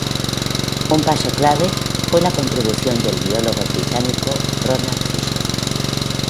Un paso clave fue la contribución del biólogo británico Ronald Fisher.